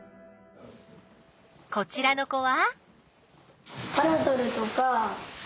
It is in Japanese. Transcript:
こちらの子は？